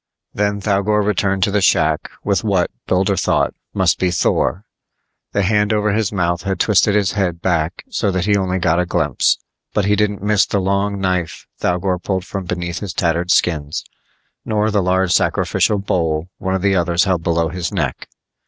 Then Thougor returned to the shack with what, Builder thought, must be Thor. The hand over his mouth had twisted his head back so that he only got a glimpse, but he didn't miss the long knife Thougor pulled from beneath his tattered skins, nor the large sacrificial bowl one of the others held below his neck.